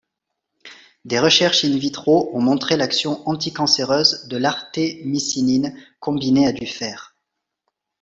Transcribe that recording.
Des recherches in vitro ont montré l'action anticancéreuse de l'artémisinine combinée à du fer.